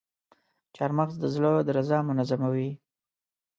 چارمغز د زړه درزا منظموي.